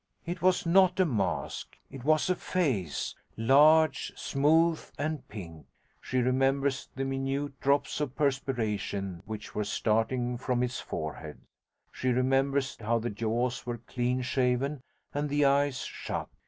It was not a mask. It was a face large, smooth, and pink. She remembers the minute drops of perspiration which were starting from its forehead: she remembers how the jaws were clean shaven and the eyes shut.